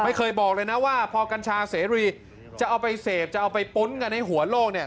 ไม่เคยบอกเลยนะว่าพอกัญชาเสรีจะเอาไปเสพจะเอาไปปุ้นกันในหัวโลกเนี่ย